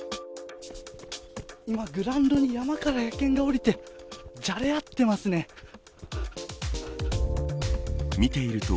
今グラウンドに山から野犬が下りてじゃれ合っていますね。